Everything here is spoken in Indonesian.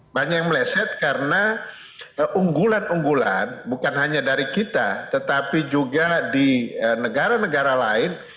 banyak yang meleset karena unggulan unggulan bukan hanya dari kita tetapi juga di negara negara lain